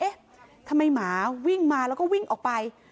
เอ๊ะทำไมหมาวิ่งมาแล้วก็วิ่งออกไป